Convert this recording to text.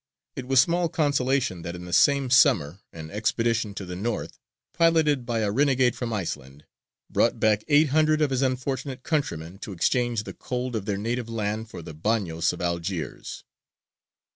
It was small consolation that in the same summer an expedition to the north, piloted by a renegade from Iceland, brought back eight hundred of his unfortunate countrymen to exchange the cold of their native land for the bagnios of Algiers.